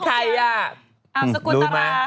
อ๊ายใครอ่ะ